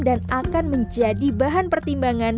dan akan menjadi bahan pertimbangan